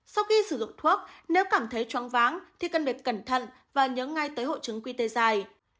sau khi sử dụng thuốc nếu cảm thấy chóng váng thì cần phải cẩn thận và nhớ ngay tới hộ trứng quy tê dài